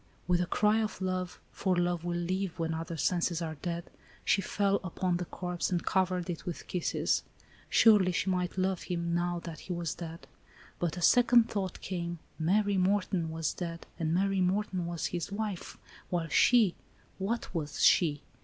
With a cry of love, for love will live when other senses are dead, she fell upon the corpse and covered it with kisses. Surely she might love him, now that he was dead ; but a second thought came ; Mary Morton was dead, and Mary Mor ton was his wife ; while she, what was she